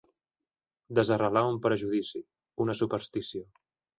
Desarrelar un prejudici, una superstició.